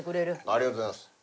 ありがとうございます。